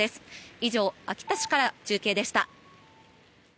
以上、秋田市から中継でした。